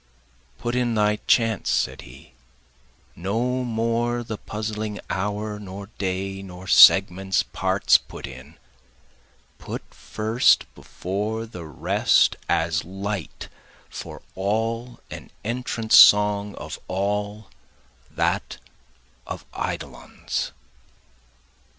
Put in thy chants said he, No more the puzzling hour nor day, nor segments, parts, put in, Put first before the rest as light for all and entrance song of all, That of eidolons.